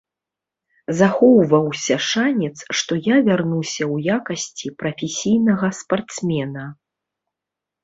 Захоўваўся шанец, што я вярнуся ў якасці прафесійнага спартсмена.